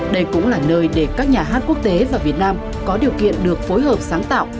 đây cũng là nơi để các nhà hát quốc tế và việt nam có điều kiện được phối hợp sáng tạo